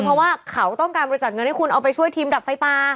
เพราะว่าเขาต้องการบริจาคเงินให้คุณเอาไปช่วยทีมดับไฟป่า